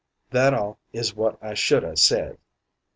That all is wot I should ha' said.